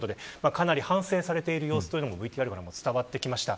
かなり反省している様子もＶＴＲから伝わってきました。